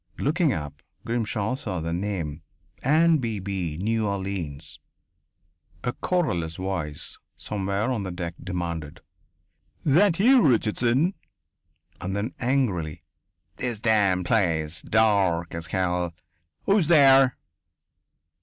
Looking up, Grimshaw saw the name: "Anne Beebe, New Orleans." A querulous voice, somewhere on the deck, demanded: "That you, Richardson?" And then, angrily: "This damned place dark as hell.... Who's there?"